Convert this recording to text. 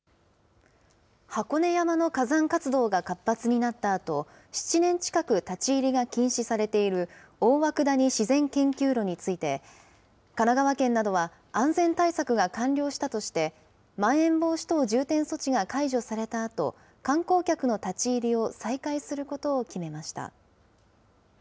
箱根山の火山活動が活発になったあと、７年近く立ち入りが禁止されている大涌谷自然研究路について、神奈川県などは安全対策が完了したとして、まん延防止等重点措置が解除されたあと、観光客の立ち入りを再開することを決めました。